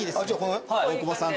大久保さんと。